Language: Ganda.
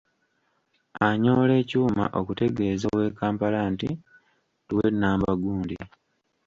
Anyoola ekyuma okutegeeza ow'e Kampala nti: Tuwe Namba gundi.